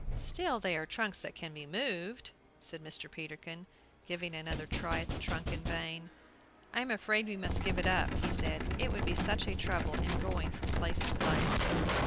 "Still they are trunks that can be moved," said Mr. Peterkin, giving another try at the trunk in vain. "I am afraid we must give it up," he said; "it would be such a trouble in going from place to place."